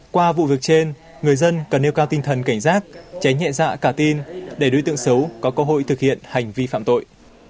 qua vụ việc trên người dân cần nêu cao tinh thần cảnh giác tránh nhẹ dạ cả tin để đối tượng xấu có cơ hội thực hiện hành vi phạm tội